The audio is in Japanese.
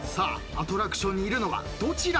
アトラクションにいるのはどちらか？